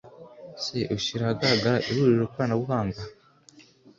se ushyira ahagaragara ihuriro koranabuhanga